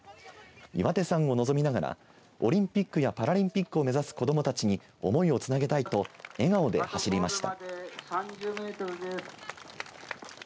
岩手山を臨みながらオリンピックやパラリンピックを目指す子どもたちに思いをつなげたいと笑顔で走りました。